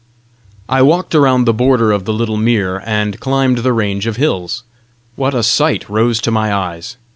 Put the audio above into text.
I walked round the border of the little mere, and climbed the range of hills. What a sight rose to my eyes!